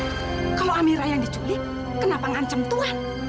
tapi kalau amirah yang diculik kenapa ngancam tuhan